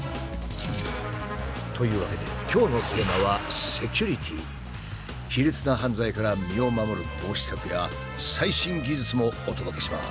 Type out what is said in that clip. というわけで卑劣な犯罪から身を守る防止策や最新技術もお届けします。